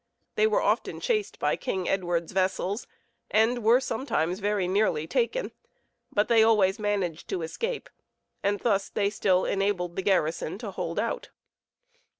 They were often chased by King Edward's vessels, and were sometimes very nearly taken, but they always managed to escape, and thus they still enabled the garrison to hold out.